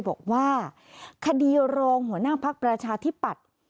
บอกว่าคดีรองหัวหน้าพักประชาธิปัตย์